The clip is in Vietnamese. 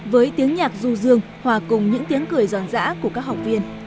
với tiếng nhạc ru rương hòa cùng những tiếng cười giòn dã của các học viên